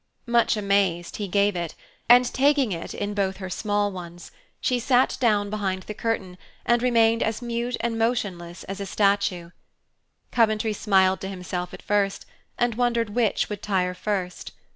Much amazed, he gave it, and, taking it in both her small ones, she sat down behind the curtain and remained as mute and motionless as a statue. Coventry smiled to himself at first, and wondered which would tire first.